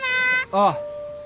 ああ。